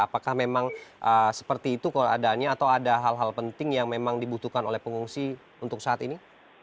apakah memang seperti itu kalau adanya atau ada hal hal penting yang memang dibutuhkan oleh pengungsi untuk saat ini